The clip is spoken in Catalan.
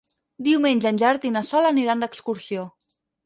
Diumenge en Gerard i na Sol aniran d'excursió.